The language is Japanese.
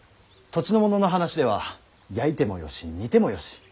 土地の者の話では焼いてもよし煮てもよし。